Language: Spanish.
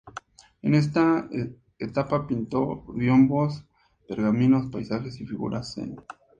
En esta etapa pintó biombos, pergaminos, paisajes y figuras zen.